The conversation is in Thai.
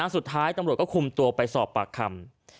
สุดท้ายตำรวจก็คุมตัวไปสอบปากคำ